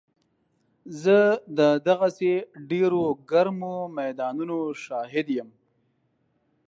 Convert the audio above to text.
زه د دغسې ډېرو ګرمو میدانونو شاهد یم.